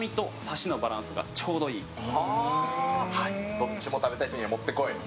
どっちも食べたい人にはもってこい。